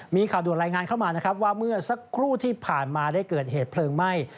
มีข่าวด่วนรายงานเข้ามานะครับว่าเมื่อสักครู่ที่ผ่านมาได้เกิดเหตุเพลิงไหม้